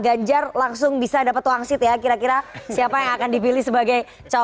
ganjar langsung bisa dapat wangsit ya kira kira siapa yang akan dipilih sebagai cawapres